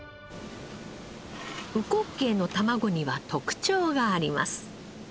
うこっけいの卵には特徴があります。